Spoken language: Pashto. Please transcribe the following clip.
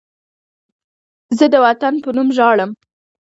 زه د وطن په نوم ژاړم